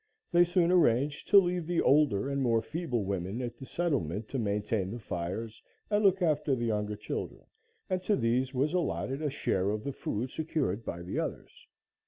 They soon arranged to leave the older and more feeble women at the settlement to maintain the fires and look after the younger children, and to these was allotted a share of the food secured by the others.